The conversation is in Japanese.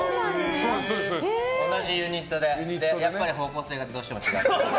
同じユニットで、やっぱり方向性がどうしても違って。